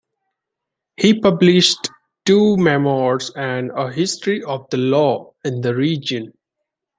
He published two memoirs and a history of the law in the region.